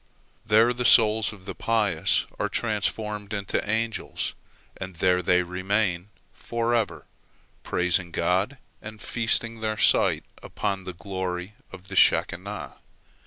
There the souls of the pious are transformed into angels, and there they remain forever, praising God and feasting their sight upon the glory of the Shekinah.